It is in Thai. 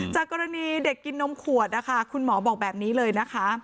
จากกรณีเด็กกินนมขวดนะคะคุณหมอบอกแบบนี้เลยนะคะ